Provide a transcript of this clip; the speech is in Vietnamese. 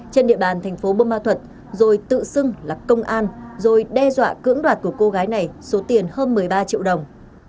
trên địa bàn tp bumal thuật rồi tự xưng là công an rồi đe dọa cưỡng đoạt của cô gái này số tiền hơn một mươi ba triệu đồng